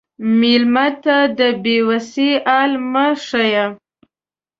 مېلمه ته د بې وسی حال مه ښیه.